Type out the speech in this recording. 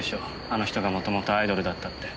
あの人がもともとアイドルだったって。